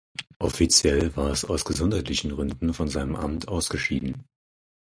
Offiziell war es aus gesundheitlichen Gründen von seinem Amt ausgeschieden.